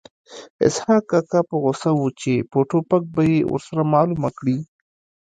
اسحق کاکا په غوسه و چې په ټوپک به یې ورسره معلومه کړي